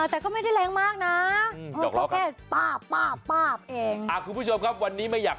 แต่ก็ไม่ได้แรงมากนะก็แค่ป๊าปเอง